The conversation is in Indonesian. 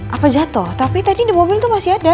apa jatoh tapi tadi di mobil tuh masih ada